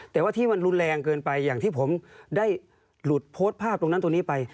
แต่ว่าที่มันรุนแรงเกินไปอย่างที่ผมได้หลุดโพสต์ภาพตรงนั้นตรงนี้ไป